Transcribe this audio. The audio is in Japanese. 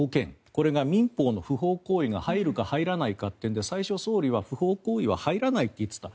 これが民法の不法行為が入るか入らないかというので最初、総理は不法行為は入らないと言っていた。